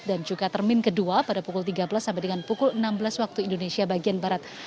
dan juga termin kedua pada pukul tiga belas sampai dengan pukul enam belas waktu indonesia bagian barat